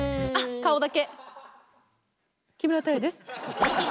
顔だけ。